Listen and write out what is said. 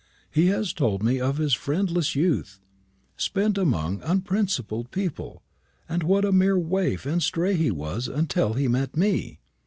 He has told me of his friendless youth, spent amongst unprincipled people, and what a mere waif and stray he was until he met me.